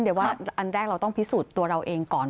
เดี๋ยวว่าอันแรกเราต้องพิสูจน์ตัวเราเองก่อน